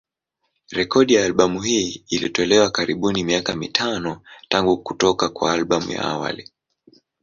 Rekodi ya albamu hii ilitolewa karibuni miaka mitano tangu kutoka kwa albamu ya awali.